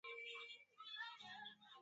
uamuzi wa kumuachia suchi ni hila